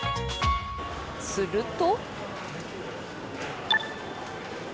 すると。